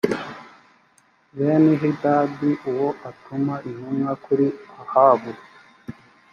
benihadadi uwo atuma intumwa kuri ahabu